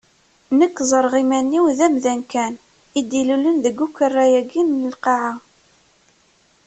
Nekk ẓerreɣ iman-iw d amdan kan i d-ilulen deg ukerra-agi n lqaɛa.